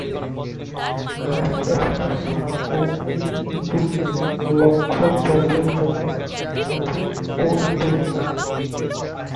আর পেছনের ভাগ ও-কোডটি ইনপুট নিয়ে লক্ষ্য যন্ত্রের জন্য যান্ত্রিক কোড তৈরি করত।